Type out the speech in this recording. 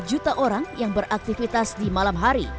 empat lima juta orang yang beraktivitas di malam hari